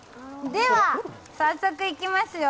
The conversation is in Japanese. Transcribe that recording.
では、早速いきますよ